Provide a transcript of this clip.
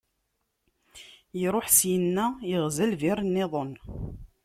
Iṛuḥ syenna, iɣza lbi- nniḍen.